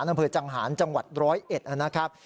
นำเผยจังหาญจังหวัดร้อยเอ็ดนะครับ